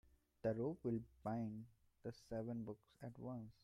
The rope will bind the seven books at once.